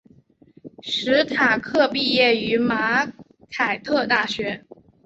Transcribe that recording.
史塔克毕业于马凯特大学。